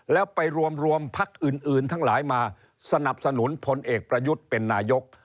แล้วไปรวมพักอื่นทั้งหลายมาสนับสนุนพลเอกประยุทธ์เป็นนายก